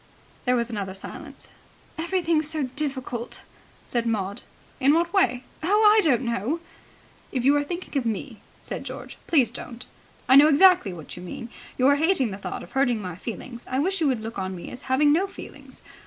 There was another silence. "Everything's so difficult," said Maud. "In what way?" "Oh, I don't know." "If you are thinking of me," said George, "please don't. I know exactly what you mean. You are hating the thought of hurting my feelings. I wish you would look on me as having no feelings.